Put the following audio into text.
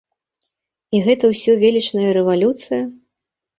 І гэта ўсё велічная рэвалюцыя?